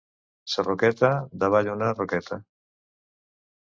Sarroqueta, davall d'una roqueta.